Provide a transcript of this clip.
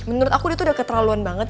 menurut aku dia tuh udah keterlaluan banget